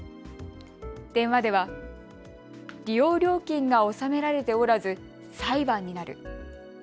電話では利用料金が納められておらず裁判になる。